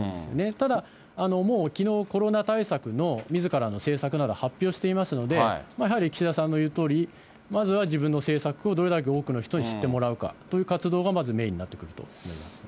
ただ、もうきのう、コロナ対策のみずからの政策など発表していますので、やはり岸田さんの言うとおり、まずは自分の政策をどれだけ多くの人に知ってもらうかという活動がまずメインになってくると思いますね。